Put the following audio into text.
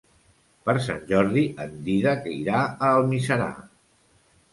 Per Sant Jordi en Dídac irà a Almiserà.